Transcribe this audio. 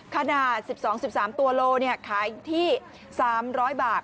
ขนาด๑๒๑๓ตัวโลขายที่๓๐๐บาท